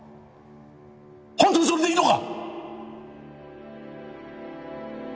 本当にそれでいいのか？